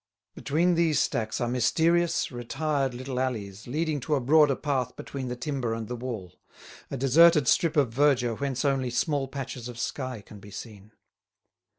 Between these stacks are mysterious, retired little alleys leading to a broader path between the timber and the wall, a deserted strip of verdure whence only small patches of sky can be seen.